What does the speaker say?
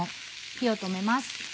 火を止めます。